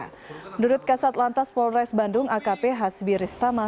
menurut kasat lantas polres bandung akp hasbiristama